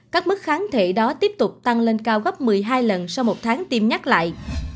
các mức kháng thể đó tiếp tục tăng lên cao gấp một mươi hai lần sau một tháng tiêm nhắc lại